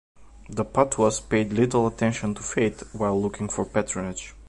The Patuas paid little attention to faith, while looking for patronage.